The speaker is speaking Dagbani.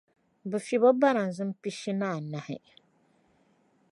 Bɛ fiɛbi o barazim pishi anahi.